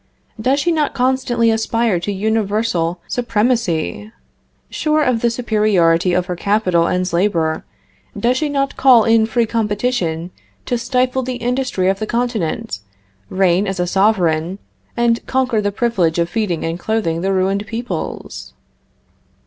Does she not constantly aspire to universal supremacy? Sure of the superiority of her capital and labor, does she not call in free competition to stifle the industry of the continent, reign as a sovereign, and conquer the privilege of feeding and clothing the ruined peoples?"